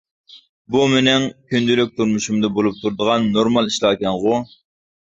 بۇ مىنىڭ كۈندىلىك تۇرمۇشۇمدا بولۇپ تۇرىدىغان نورمال ئىشلاركەنغۇ!